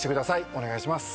お願いします。